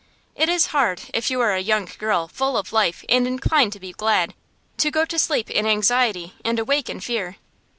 It is hard, if you are a young girl, full of life and inclined to be glad, to go to sleep in anxiety and awake in fear.